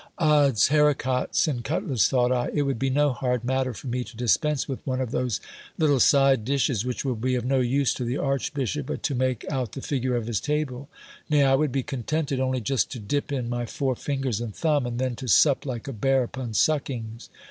Ods haricots and cutlets ! thought I, it would be no hard matter for me to dispense with one of those little side dishes, which will be of no use to the archbishop but to make out the figure of his table : nay, I would be contented only just to dip in my four fi igers and thumb, and then to sup like a bear upon suckings.